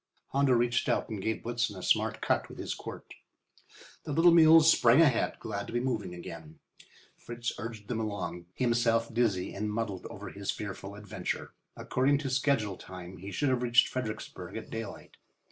Hondo reached out and gave Blitzen a smart cut with his quirt. The little mules sprang ahead, glad to be moving again. Fritz urged them along, himself dizzy and muddled over his fearful adventure. According to schedule time, he should have reached Fredericksburg at daylight.